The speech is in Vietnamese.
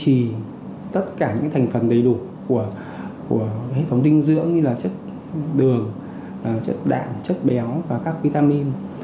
thì tất cả những thành phần đầy đủ của hệ thống dinh dưỡng như là chất đường chất đạm chất béo và các vitamin